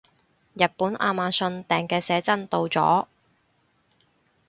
日本亞馬遜訂嘅寫真到咗